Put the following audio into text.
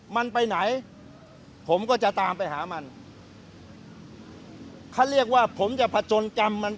มันไปไหนผมก็จะตามไปหามันเขาเรียกว่าผมจะผจญกรรมมัน